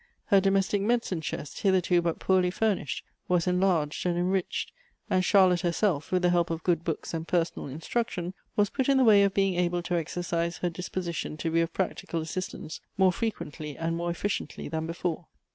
Her domestic medicine chest, hitherto but poorly furnished, was enlarged and enriched, and Charlotte herself, with the help of good books and personal instruction, was put in the way of being able to exercise her disposition to b 3 of practical assistance more frequently and more effi ciently than before.